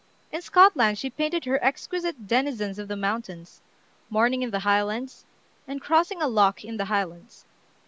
In Scotland she painted her exquisite "Denizens of the Mountains," "Morning in the Highlands," and "Crossing a Loch in the Highlands."